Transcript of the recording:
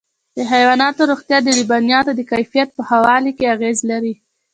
د حيواناتو روغتیا د لبنیاتو د کیفیت په ښه والي کې اغېز لري.